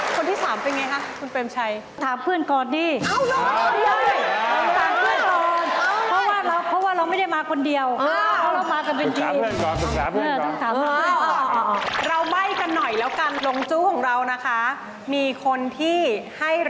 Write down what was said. คนที่สามเป็นอย่างไรคะคุณเปรมชัย